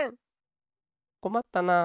こまったな。